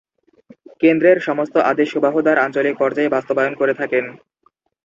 কেন্দ্রের সমস্ত আদেশ সুবাহদার আঞ্চলিক পর্যায়ে বাস্তবায়ন করে থাকেন।